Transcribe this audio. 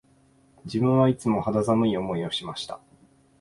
自分はいつも肌寒い思いをしました